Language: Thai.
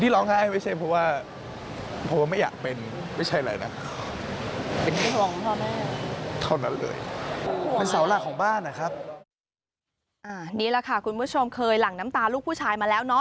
นี่แหละค่ะคุณผู้ชมเคยหลั่งน้ำตาลูกผู้ชายมาแล้วเนาะ